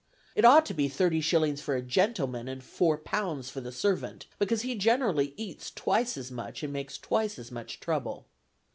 It ought to be thirty shillings for a gentleman and four pounds for the servant, because he generally eats twice as much and makes twice as much trouble.